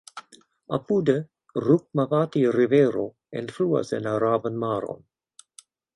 Apude, Rukmavati-Rivero enfluas en Araban Maron.